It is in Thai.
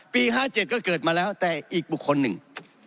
๕๗ก็เกิดมาแล้วแต่อีกบุคคลหนึ่ง